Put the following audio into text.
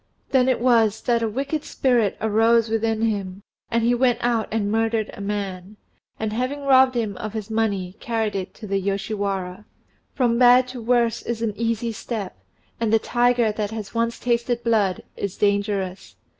Then it was that a wicked spirit arose within him, and he went out and murdered a man, and having robbed him of his money carried it to the Yoshiwara. From bad to worse is an easy step, and the tiger that has once tasted blood is dangerous.